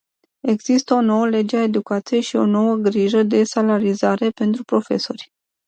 Există o nouă lege a educației și o nouă grilă de salarizare pentru profesori.